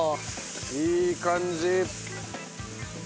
いい感じ！